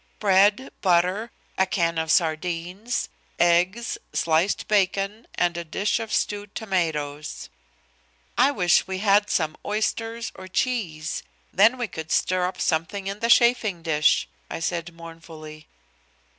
Bread, butter, a can of sardines, eggs, sliced bacon and a dish of stewed tomatoes. "I wish we had some oysters or cheese; then we could stir up something in the chafing dish," I said mournfully.